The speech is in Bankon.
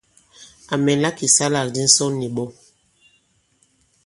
À mɛ̀nla kì ìsalâkdi ǹsɔn nì ɓɔ.